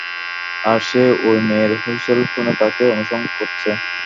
আর সে ওই মেয়ের হুঁইসেল শুনে তাকে অনুসরণ করছে।